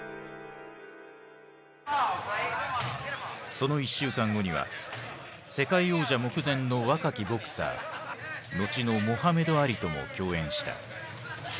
その１週間後には世界王者目前の若きボクサー後のモハメド・アリとも共演した。